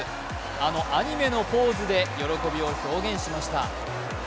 あのアニメのポーズで喜びを表現しました。